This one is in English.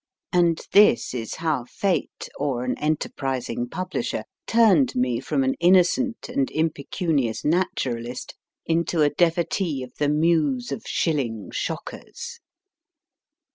And this is how fate (or an enterprising publisher) turned me from an innocent and impecunious naturalist into a devotee of the muse of shilling shockers.